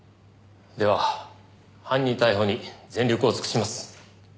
では犯人逮捕に全力を尽くします。